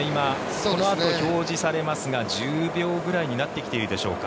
このあと表示されますが１０秒ぐらいになってきているでしょうか。